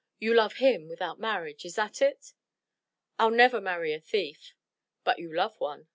You love him without marriage? Is that it?" "I'll never marry a thief." "But you love one?"